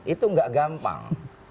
itu tidak gampang